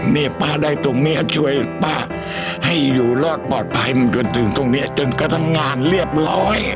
เนี่ยป้าได้ตรงนี้ช่วยป้าให้อยู่รอดปลอดภัยมาจนถึงตรงนี้จนกระทั่งงานเรียบร้อย